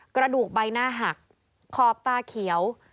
กระดูกใบหน้าหักขอบตาเขียว